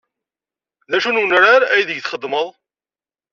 D acu n wenrar aydeg txeddmeḍ?